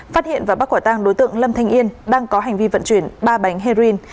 phát hiện và bắt quả tăng đối tượng lâm thanh yên đang có hành vi vận chuyển ba bánh heroin